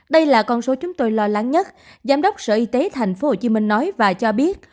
đây là con số chúng tôi lo lắng nhất giám đốc sở y tế tp hcm nói và cho biết